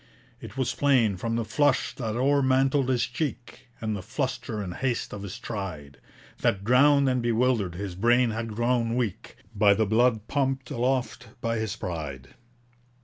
It was plain, from the flush that o'ermantled his cheek, And the fluster and haste of his stride, That, drowned and bewildered, his brain had grown weak By the blood pumped aloft by his pride.